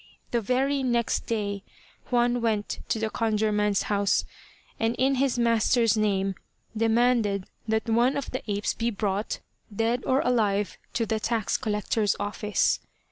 The very next day Juan went to the Conjure man's house, and in his master's name demanded that one of the apes be brought, dead or alive, to the tax collector's office.